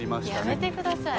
やめてください。